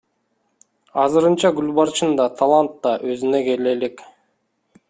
Азырынча Гүлбарчын да, Талант да өзүнө келе элек.